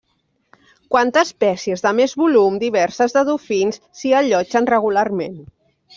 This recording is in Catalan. Quant a espècies de més volum, diverses de dofins s'hi allotgen regularment.